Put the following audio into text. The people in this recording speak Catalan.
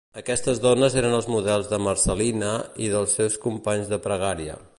Aquestes dones eren els models de Marcel·lina i dels seus companys de pregària.